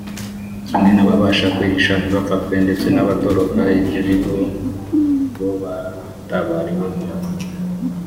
kimwe n’ababasha kwihisha ntibafatwe ndetse n’abatoroka ibyo bigo bo batabariwemo